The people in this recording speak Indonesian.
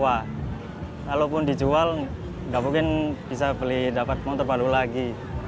walaupun dijual nggak mungkin bisa beli dapat motor baru lagi